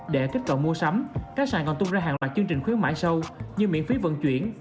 để kết cậu mua sắm các sản còn tung ra hàng loạt chương trình khuyến mãi sâu như miễn phí vận chuyển